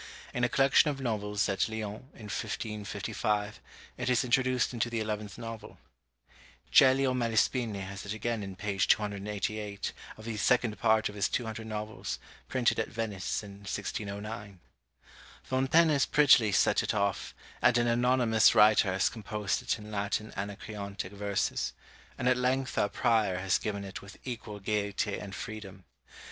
In a collection of novels at Lyons, in 1555, it is introduced into the eleventh novel. Celio Malespini has it again in page 288 of the second part of his Two Hundred Novels, printed at Venice in 1609. Fontaine has prettily set it off, and an anonymous writer has composed it in Latin Anacreontic verses; and at length our Prior has given it with equal gaiety and freedom.